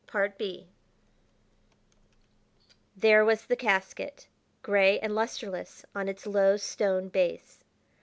There was the casket, gray and lusterless on its low, stone base.